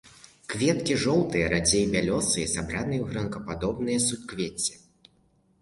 Кветкі жоўтыя, радзей бялёсыя, сабраныя ў гронкападобныя суквецці.